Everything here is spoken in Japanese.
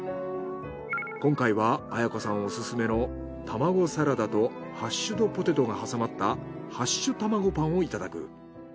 今回はアヤ子さんオススメの玉子サラダとハッシュドポテトが挟まったハッシュ玉子パンをいただく。